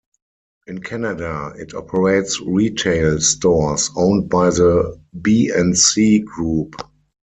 In Canada, it operates retail stores owned by the B and C Group.